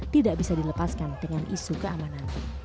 tidak bisa dilepaskan dengan isu keamanan